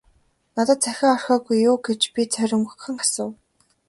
- Надад захиа орхиогүй юу гэж би зоримогхон асуув.